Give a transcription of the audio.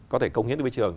có thể công hiến với trường